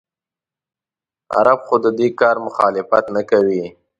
عرب خو د دې کار مخالفت نه کوي.